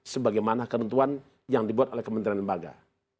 sebagaimana kementuan yang dibuat oleh kementerian dan kelembagaan